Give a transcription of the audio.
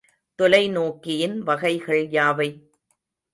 தொலைநோக்கியின் வகைகள் யாவை?